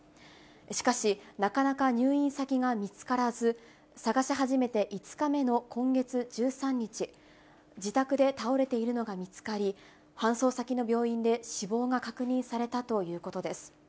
しかし、なかなか入院先が見つからず、探し始めて５日目の今月１３日、自宅で倒れているのが見つかり、搬送先の病院で死亡が確認されたということです。